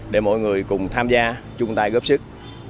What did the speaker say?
để mọi người cùng tham gia chung tay góp sức